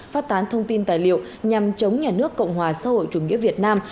phát tán thông tin tài liệu nhằm chống nhà nước cộng hòa xã hội chủ nghĩa việt nam